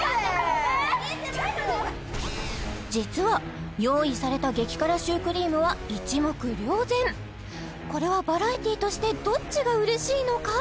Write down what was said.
実は用意された激辛シュークリームは一目瞭然これはバラエティとしてどっちがうれしいのか？